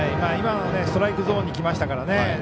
今のはストライクゾーンにきましたからね。